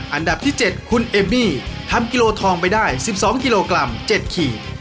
อันดับที่๗คุณเอมมี่ทำกิโลทองไปได้๑๒กิโลกรัม๗ขีด